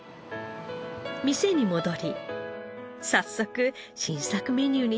店に戻り早速新作メニューに取り掛かります。